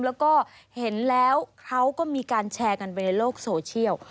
แล้วก็เห็นแล้วเขาก็มีการแชร์กันไปในโลกโซเชียล